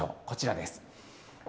こちらです。